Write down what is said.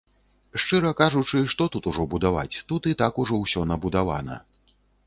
Шчыра кажучы, што тут ўжо будаваць, тут і так ўжо ўсё набудавана!